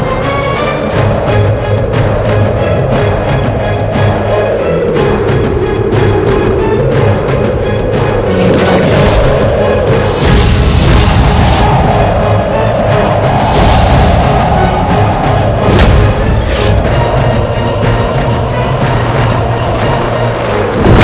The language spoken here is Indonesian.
kau keras kepala nih mas